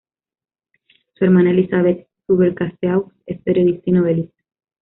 Su hermana Elizabeth Subercaseaux es periodista y novelista.